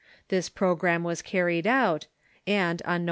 This programme was carried out, and on Nov.